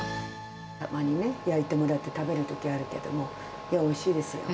たまにね、焼いてもらって食べるときあるけども、おいしいですよ。